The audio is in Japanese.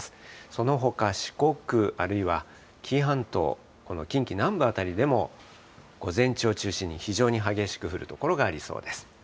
そのほか四国あるいは紀伊半島、この近畿南部辺りでも、午前中を中心に非常に激しく降る所がありそうです。